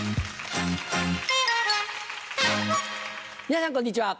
皆さんこんにちは。